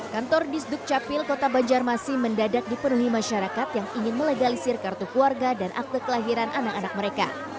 kantor disduk capil kota banjarmasin mendadak dipenuhi masyarakat yang ingin melegalisir kartu keluarga dan akte kelahiran anak anak mereka